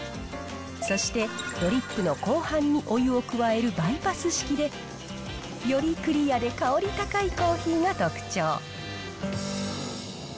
そしてドリップの広範にお湯を加えるバイパス式で、よりクリアで香り高いコーヒーが特徴。